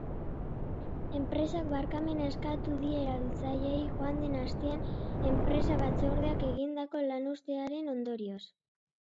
Enpresak barkamena eskatu die erabiltzaileei joan den astean enpresa batzordeak egindako lanuztearen ondorioz.